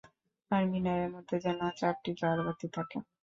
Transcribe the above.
আর মিনারের মধ্যে যেন চারটি ঝাড় বাতি থাকে।